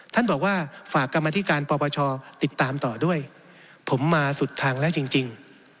ท่านบอกว่าฝากกรรมธิการปปชติดตามต่อด้วยผมมาสุดทางแล้วจริง